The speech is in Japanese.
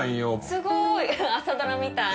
すごい！「朝ドラ」みたい。